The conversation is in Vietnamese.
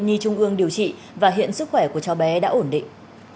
nhi trung ương điều trị và hiện sức khỏe của cháu bé đã ổn định